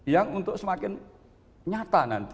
yang untuk semakin nyata nanti